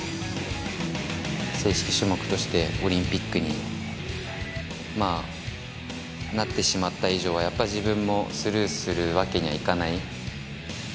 正式種目としてオリンピックになってしまった以上は、やっぱり自分もスルーするわけにはいかない。